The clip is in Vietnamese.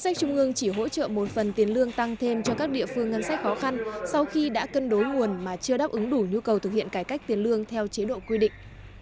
ngân sách trung ương chỉ hỗ trợ một phần tiền lương tăng thêm cho các địa phương ngân sách khó khăn sau khi đã cân đối nguồn mà chưa đáp ứng đủ nhu cầu thực hiện cải cách tiền lương theo chế độ quy định